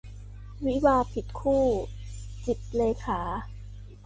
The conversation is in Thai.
วิวาห์ผิดคู่ - จิตรเลขา